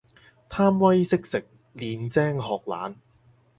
貪威識食，練精學懶